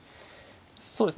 そうですね